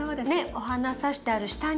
お花さしてある下に。